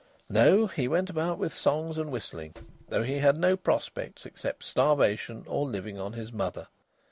No! he went about with songs and whistling, though he had no prospects except starvation or living on his mother.